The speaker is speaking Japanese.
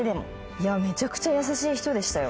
いや、めちゃくちゃ優しい人でしたよ。